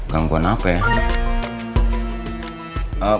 gangguan apa ya